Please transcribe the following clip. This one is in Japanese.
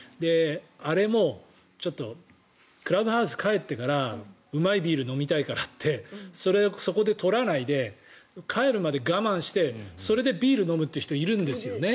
あれもクラブハウス帰ってからうまいビール飲みたいからってそこで取らないで帰るまで我慢してそれでビールを飲むという人いるんですよね。